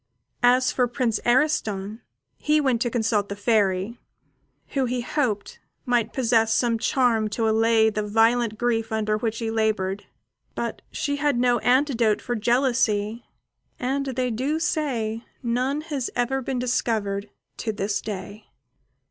As for Prince Ariston, he went to consult the Fairy, who, he hoped, might possess some charm to allay the violent grief under which he laboured; but she had no antidote for jealousy, and they do say none has ever been discovered to this day.